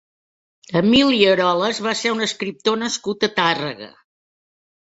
Emili Eroles va ser un escriptor nascut a Tàrrega.